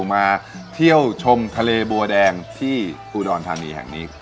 มาเที่ยวชมทะเลบัวแดงที่อุดรธานีแห่งนี้